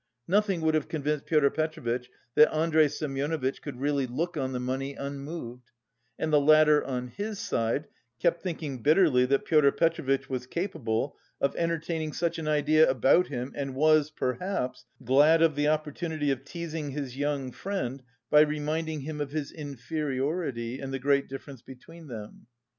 Nothing would have convinced Pyotr Petrovitch that Andrey Semyonovitch could really look on the money unmoved, and the latter, on his side, kept thinking bitterly that Pyotr Petrovitch was capable of entertaining such an idea about him and was, perhaps, glad of the opportunity of teasing his young friend by reminding him of his inferiority and the great difference between them.